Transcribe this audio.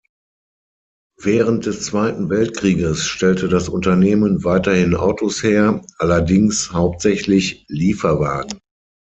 Während des Zweiten Weltkrieges stellte das Unternehmen weiterhin Autos her, allerdings hauptsächlich Lieferwagen.